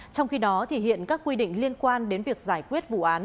trong khi đó hiện các quy định liên quan đến việc giải quyết vụ án